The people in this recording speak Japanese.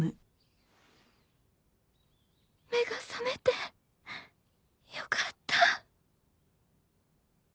目が覚めてよかった。